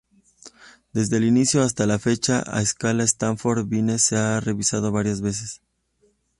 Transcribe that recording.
Desde el inicio hasta la fecha, la Escala Stanford-Binet se ha revisado varias veces.